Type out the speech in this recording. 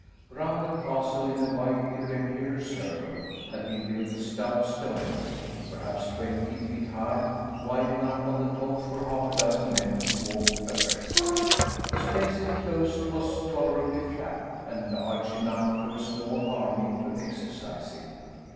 Round the castle, in a wide, irregular circle, had been built a stout stone wall, perhaps twenty feet high, wide enough on the top for half a dozen men to walk abreast. The space enclosed was tolerably flat, and large enough for a small army to exercise in.